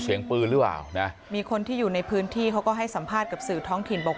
ท่านลองฟังเสียชุด๓ศพบาดเจ็บอีก๑๒นะแต่ดูภาพที่เขาบรรยาการณ์กันไว้ได้